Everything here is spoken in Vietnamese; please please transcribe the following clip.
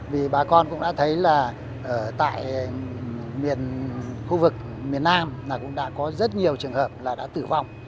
vì bà con cũng đã thấy là tại khu vực miền nam cũng đã có rất nhiều trường hợp là đã tử vong